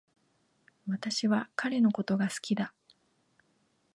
私は彼のことが好きだ